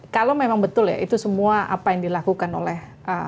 kalau memang betul ya itu semua apa yang dilakukan oleh